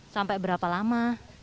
sampai berapa lama